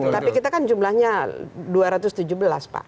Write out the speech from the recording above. tapi kita kan jumlahnya dua ratus tujuh belas pak